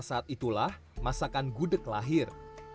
saat itulah masakan gudeg lahir